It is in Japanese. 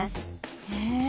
へえ。